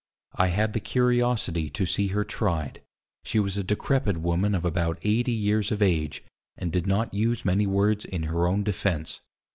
_ I had the Curiosity to see her tried; she was a decrepid Woman of about 80 years of age, and did not use many words in her own defence.